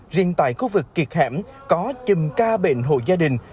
riêng tại khu vực kiệt hẻm có chùm ca bệnh hộ gia đình